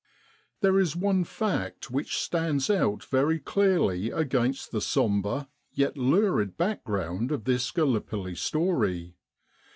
There is one fact which stands out very clearly against the sombre yet lurid background of this Gallipoli story.